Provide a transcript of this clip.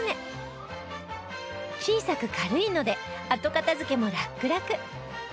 小さく軽いので後片付けもラックラク